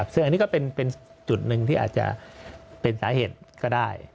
ซึ่งอันนี้ก็เป็นจุดหนึ่งที่อาจจะเป็นสาเหตุก็ได้